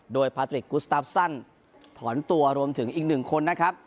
โดยพาตริกกุสตาฟซันถอนตัวรวมถึงอีกหนึ่งคนนะครับ